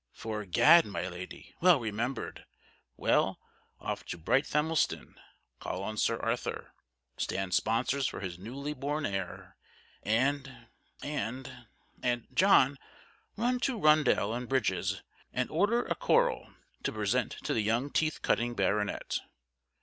"Fore gad, my Lady, well remembered, we'll off to Brighthelmston, call on Sir Arthur, stand sponsors for his newly born heir, and and and John, run to Rundell and Bridges, and order a coral, to present to the young teeth cutting baronet."